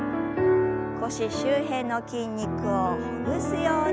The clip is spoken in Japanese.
腰周辺の筋肉をほぐすように。